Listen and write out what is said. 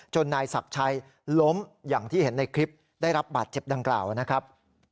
นายศักดิ์ชัยล้มอย่างที่เห็นในคลิปได้รับบาดเจ็บดังกล่าวนะครับ